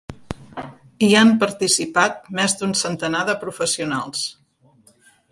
Hi han participat més d'un centenar de professionals.